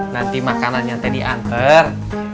nanti makanan yang tadi anter